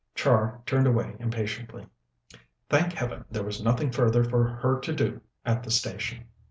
Char turned away impatiently. Thank Heaven, there was nothing further for her to do at the station.